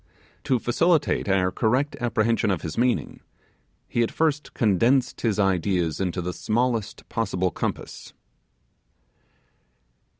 To facilitate our correct apprehension of his meaning, he at first condensed his ideas into the smallest possible compass.